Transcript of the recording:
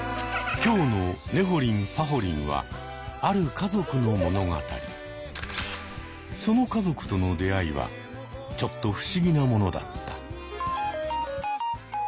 今日の「ねほりんぱほりん」はその家族との出会いはちょっと不思議なものだった。